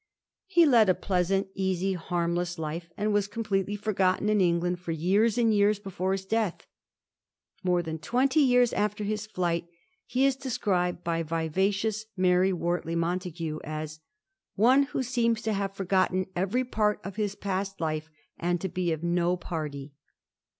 He led a pleasant, easy, harmless life, and was completely forgotten in England for years and years before his death. More than twenty years after his flight he is described by vivacious Mary Wortley Montagu as * one who seems to have forgotten every part of his past life, and to be of na party.'